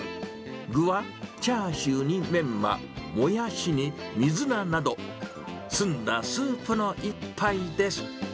具は、チャーシューにメンマ、もやしに水菜など、澄んだスープの一杯です。